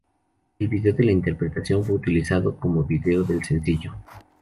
El vídeo de la interpretación fue utilizado como vídeo del sencillo.